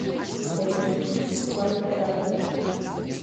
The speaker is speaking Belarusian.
Добрым гукам фестываль не парадаваў.